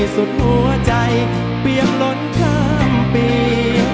สุดหัวใจเปรียมล้นข้ามปี